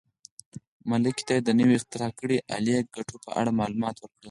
ملکې ته یې د نوې اختراع کړې الې ګټو په اړه معلومات ورکړل.